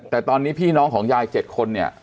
แต่ตอนนี้พี่น้องของยาย๗คนเนี่ย